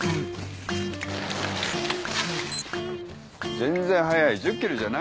全然早い。